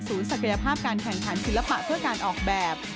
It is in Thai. ศักยภาพการแข่งขันศิลปะเพื่อการออกแบบ